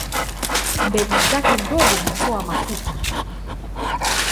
Mbegu zake ndogo hutoa mafuta.